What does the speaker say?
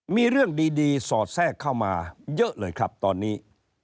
มีเรื่องดีสอดแทรกเข้ามาเยอะเลยครับตอนนี้